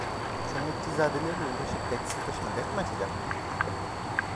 Çömlekçizadelerle uğraşıp dertsiz başıma dert mi açacaktım?